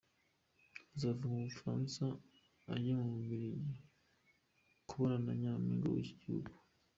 Azava mu Bufaransa ajye mu Bubiligi kubonana na Nyampinga w’iki gihugu.